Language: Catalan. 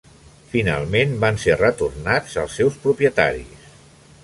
Finalment van ser retornats als seus propietaris.